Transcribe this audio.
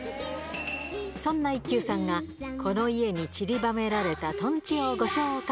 そんな１級さんがこの家にちりばめられたとんちをご紹介。